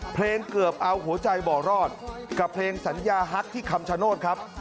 เพลงเกือบเอาหัวใจบ่อรอดกับเพลงสัญญาฮักที่คำชโนธครับ